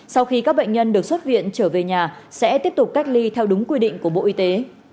sau khi các bệnh nhân được xuất viện trở về nhà sẽ tiếp tục cách ly theo đúng quy định của bộ y tế